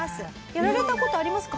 やられた事ありますか？